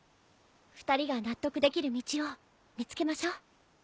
２人が納得できる道を見つけましょ。